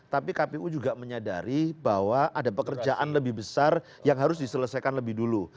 tapi kpu juga menyadari bahwa ada pekerjaan lebih besar yang harus diselesaikan lebih dulu